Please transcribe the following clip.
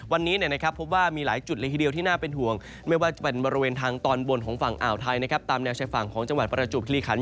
วันนี้พบว่ามีหลายจุดที่น่าเป็นห่วงไม่ว่าจะเป็นบริเวณทางตอนบนของฝั่งอ่าวไทย